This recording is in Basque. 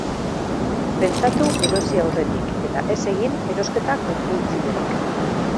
Pentsatu erosi aurretik, eta ez egin erosketa konpultsiborik.